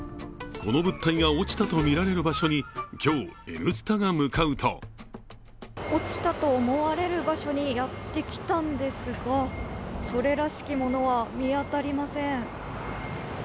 この物体が落ちたとみられる場所に今日「Ｎスタ」が向かうと落ちたと思われる場所にやってきたんですが、それらしきものは見当たりません。